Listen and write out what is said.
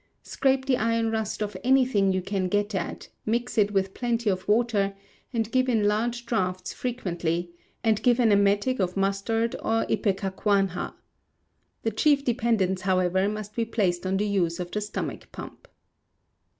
Scrape the iron rust off anything you can get at, mix it with plenty of water, and give in large draughts frequently, and give an emetic of mustard or ipecacuanha. The chief dependence, however, must be placed on the use of the stomach pump.